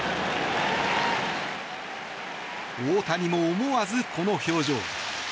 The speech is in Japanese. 大谷も思わずこの表情。